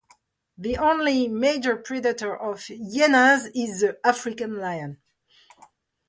The only major predator of hyenas is the African lion.